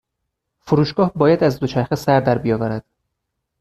فروشگاه باید از دوچرخه سر در بیاورد.